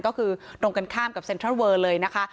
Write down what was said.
ก็คือตรงกันข้ามกับเซ็นทรัลเวอร์เลยนะคะ